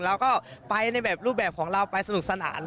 เราก็ไปในแบบรูปแบบของเราไปสนุกสนาน